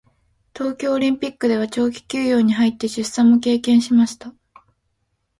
東京オリンピックでは長期休養に入って出産も経験しました。